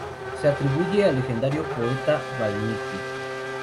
Se atribuye al legendario poeta Valmiki.